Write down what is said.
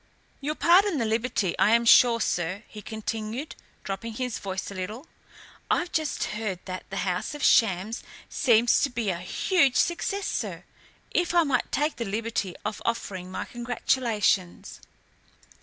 "You'll pardon the liberty, I am sure, sir," he continued, dropping his voice a little. "I've just heard that 'The House of Shams' seems to be a huge success, sir. If I might take the liberty of offering my congratulations!"